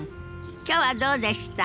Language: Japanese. きょうはどうでした？